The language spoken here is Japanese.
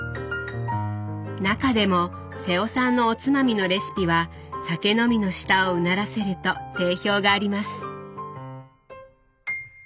中でも瀬尾さんのおつまみのレシピは酒飲みの舌をうならせると定評があります。